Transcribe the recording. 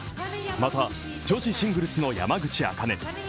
また、女子シングルスの山口茜